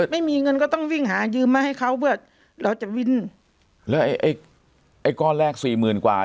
ไม่มีเงินก็ต้องวิ่งหายืมมาให้เขาเพื่อเราจะวิ่งแล้วไอ้ไอ้ก้อนแรกสี่หมื่นกว่า